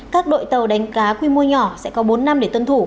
các đội tàu đánh cá quy mô nhỏ sẽ có bốn năm để tuân thủ